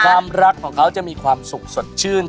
ความรักของเขาจะมีความสุขสดชื่น